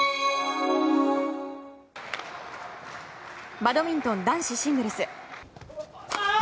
バドミントン男子シングルス。